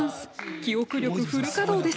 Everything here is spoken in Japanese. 記憶力、フル稼働です。